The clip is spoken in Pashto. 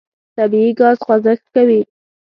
طبیعي ګاز خوځښت کوي.